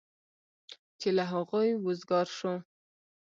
چې له هغوی وزګار شو.